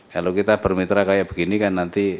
kalau kita bermitra kayak begini kan nanti